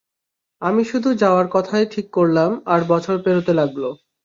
আমি শুধু যাওয়ার কথাই ঠিক করলাম, আর বছর পেরোতে লাগলো।